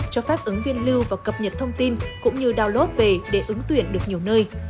cho phép ứng viên lưu và cập nhật thông tin cũng như download về để ứng tuyển được nhiều nơi